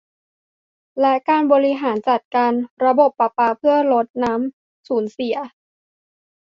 และการบริหารจัดการระบบประปาเพื่อลดน้ำสูญเสีย